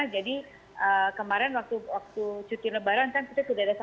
jadi kemarin waktu cuti lebaran kan kita sudah tidak ada